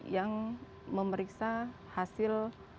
yang memeriksa hasil